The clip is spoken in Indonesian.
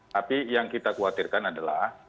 tapi yang kita khawatirkan adalah